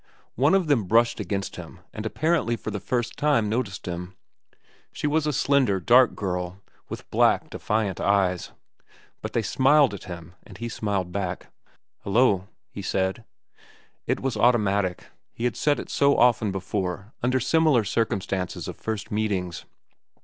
One of them brushed against him and apparently for the first time noticed him. She was a slender, dark girl, with black, defiant eyes. But they smiled at him, and he smiled back. "Hello," he said. It was automatic; he had said it so often before under similar circumstances of first meetings.